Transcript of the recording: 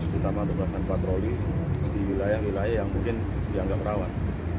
terutama untuk melakukan patroli di wilayah wilayah yang mungkin dianggap rawan